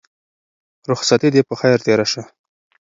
رخصتي دې په خير تېره شه.